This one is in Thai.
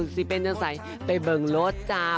สีเป็นจังสัยเป็นเบิ่งรถจ้า